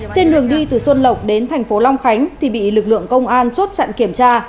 trên đường đi từ xuân lộc đến thành phố long khánh thì bị lực lượng công an chốt chặn kiểm tra